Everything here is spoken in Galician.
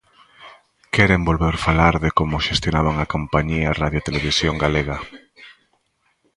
¿Queren volver falar de como xestionaban a Compañía Radiotelevisión Galega?